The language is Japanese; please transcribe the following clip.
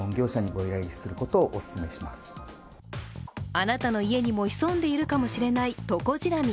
あなたの家にも潜んでいるかもしれないトコジラミ。